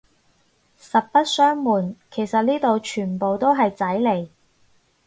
實不相暪，其實呢度全部都係仔嚟